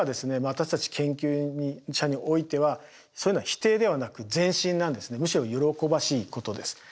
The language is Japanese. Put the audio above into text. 私たち研究者においてはそういうのはむしろ喜ばしいことです。